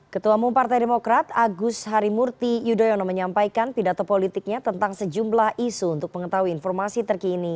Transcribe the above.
ketua mumpartai demokrat agus harimurti yudhoyono menyampaikan pidato politiknya tentang sejumlah isu untuk mengetahui informasi terkini